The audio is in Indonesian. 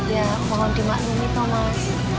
ya mohon dimaklumi mas